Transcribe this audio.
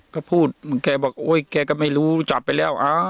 ก็พูดแกบอกโอ๊ยแกก็ไม่รู้จับไปแล้ว